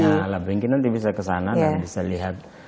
nah mungkin nanti bisa kesana dan bisa lihat